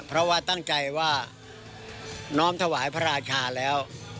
เพราะว่าน้องทวายพระอาชาแล้ว